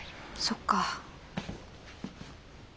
そっか。